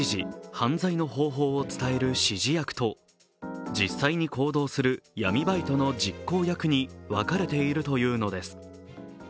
犯罪の方法を伝える指示役と実際に行動する闇バイトの実行役に分かれているというのです。